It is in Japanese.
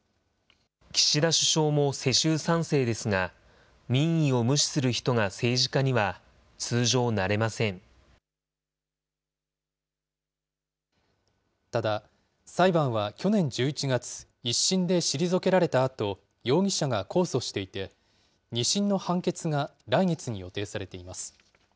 岸田首相も世襲３世ですが、民意を無視する人が政治家には通ただ、裁判は去年１１月、１審で退けられたあと、容疑者が控訴していて、２審の判決が来月に予定されています。